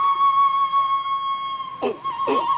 memangnya kang bisa kerja di bangunan